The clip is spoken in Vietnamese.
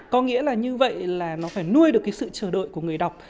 có nghĩa là như vậy là nó phải nuôi được cái sự chờ đợi của người đọc